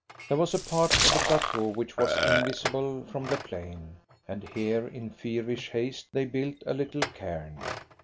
There was a part of the plateau which was invisible from the plain, and here in feverish haste they built a little cairn.